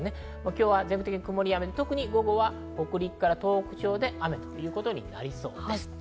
今日は全国的に曇りや雨、特に午後は北陸から東北地方で雨ということになりそうです。